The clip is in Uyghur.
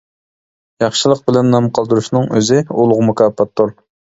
ياخشىلىق بىلەن نام قالدۇرۇشنىڭ ئۆزى ئۇلۇغ مۇكاپاتتۇر.